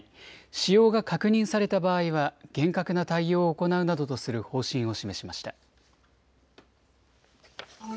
使用が確認された場合は厳格な対応を行うなどとする方針を示しました。